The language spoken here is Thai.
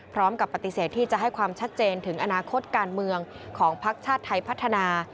พร้อมกับปฏิเสธที่จะให้ความชัดเจนถึงอนาคตการเมืองของภักดิ์ชาติไทยพัฒนา